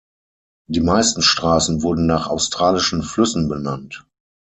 Die meisten Straßen wurden nach australischen Flüssen benannt.